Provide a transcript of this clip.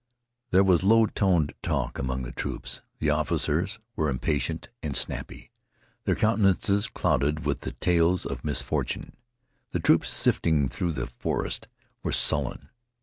There was low toned talk among the troops. The officers were impatient and snappy, their countenances clouded with the tales of misfortune. The troops, sifting through the forest, were sullen.